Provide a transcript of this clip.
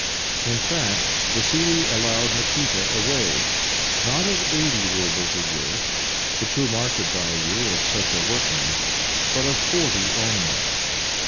In fact, Vassili allowed Nikita a wage, not of eighty roubles a year — the true market value of such a workman — but of forty only.